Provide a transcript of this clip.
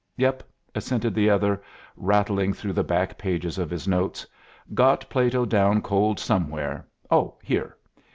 "Yep," assented the other, rattling through the back pages of his notes. "Got Plato down cold somewhere, oh, here.